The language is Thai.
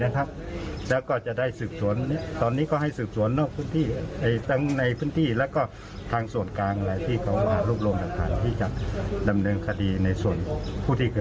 ก็ละครหลักที่อาหารซัตเทอร์นี้มีข้องที่เกี่ยวกันครับ